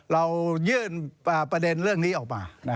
เรายื่นประเด็นเรื่องนี้ออกมา